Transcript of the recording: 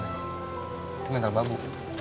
itu mental babu